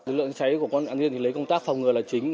dự lượng cháy của con an ninh thì lấy công tác phòng ngừa là chính